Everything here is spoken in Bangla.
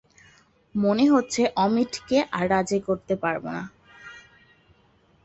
মনে হচ্ছে, অমিটকে আর রাজি করতে পারব না।